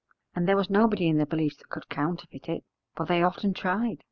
And there was nobody in the village that could counterfeit it, for they often tried.